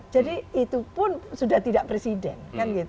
jadi itu pun sudah tidak presiden